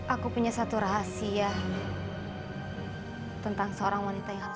aku punya satu rahasia tentang seorang wanita yang